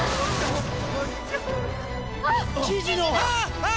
あっ！